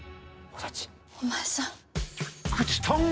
お前さん。